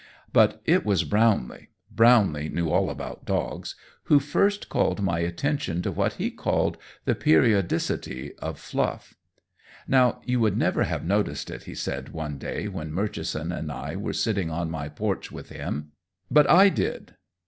But it was Brownlee Brownlee knew all about dogs who first called my attention to what he called the periodicity of Fluff. "Now, you would never have noticed it," he said one day when Murchison and I were sitting on my porch with him, "but I did.